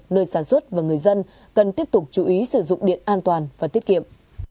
nơi sản xuất và người dân cần tiếp tục chú ý sử dụng điện an toàn và tiết kiệm